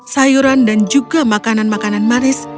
sayuran dan juga makanan makanan manis